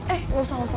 eh gak usah